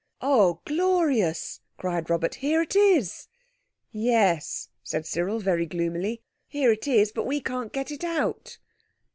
"Oh, glorious!" cried Robert. "Here it is!" "Yes," said Cyril, very gloomily, "here it is. But we can't get it out."